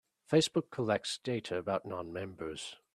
Facebook collects data about non-members.